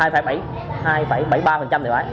hai bảy mươi ba thì phải